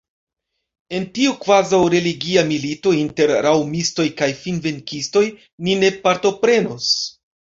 En tiu kvazaŭ religia milito inter raŭmistoj kaj finvenkistoj ni ne partoprenos.